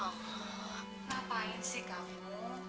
ngapain sih kamu